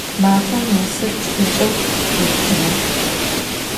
Mafem vosır psınç'eu zjüştığe.